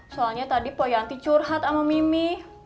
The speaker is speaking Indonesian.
soalnya tadi po yanti curhat sama mimi